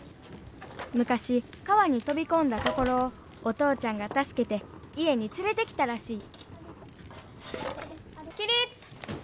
昔川に飛び込んだところをお父ちゃんが助けて家に連れてきたらしい起立！